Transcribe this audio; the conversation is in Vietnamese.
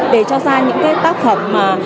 để cho ra những tác phẩm